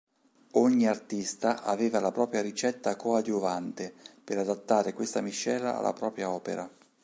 Ogni artista aveva la propria ricetta coadiuvante per adattare questa miscela alla propria opera.